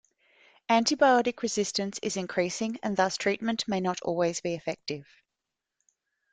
Antibiotic resistance is increasing and thus treatment may not always be effective.